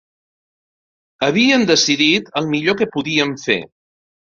Havíem decidit el millor que podíem fer